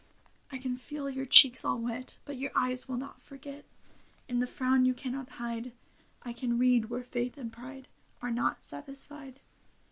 I can feel your cheeks all wet. But your eyes will not forget : In the frown you cannot hide I can read where faith and pride Are not satisfied.